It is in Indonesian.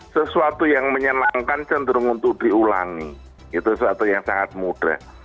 sesuatu yang menyenangkan cenderung untuk diulangi itu sesuatu yang sangat mudah